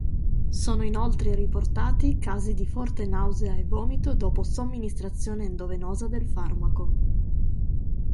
Sono inoltre riportati casi di forte nausea e vomito dopo somministrazione endovenosa del farmaco.